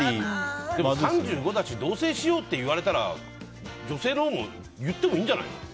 でも３５だし同棲しようって言われたら女性のほうも言ってもいいんじゃないの。